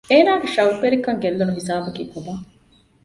އޭނާގެ ޝައުޤުވެރިކަން ގެއްލުނު ހިސާބަކީ ކޮބާ؟